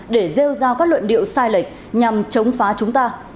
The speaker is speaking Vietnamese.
để rêu ra các luận điệu sai lệch nhằm chống phá chúng ta